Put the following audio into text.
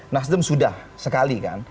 nasdem sudah sekali kan